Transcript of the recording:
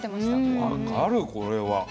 分かるこれは。